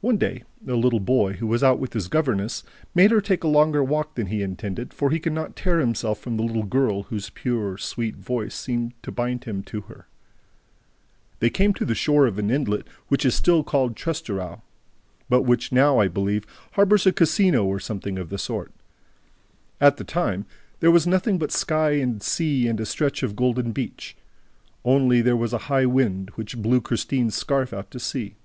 One day, a little boy, who was out with his governess, made her take a longer walk than he intended, for he could not tear himself from the little girl whose pure, sweet voice seemed to bind him to her. They came to the shore of an inlet which is still called Trestraou, but which now, I believe, harbors a casino or something of the sort. At that time, there was nothing but sky and sea and a stretch of golden beach. Only, there was also a high wind, which blew Christine's scarf out to sea.